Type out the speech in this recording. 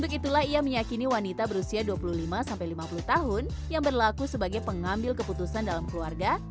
begitulah ia meyakini wanita berusia dua puluh lima lima puluh tahun yang berlaku sebagai pengambil keputusan dalam keluarga